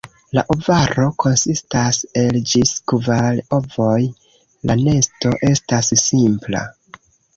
La ovaro konsistas el ĝis kvar ovoj, la nesto estas simpla.